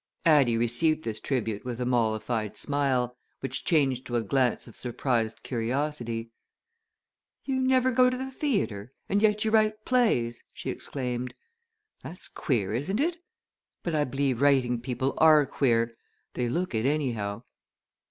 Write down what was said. Addie received this tribute with a mollified smile, which changed to a glance of surprised curiosity. "You never go to the theatre? and yet you write plays!" she exclaimed. "That's queer, isn't it? But I believe writing people are queer they look it, anyhow.